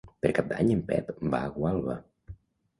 Per Cap d'Any en Pep va a Gualba.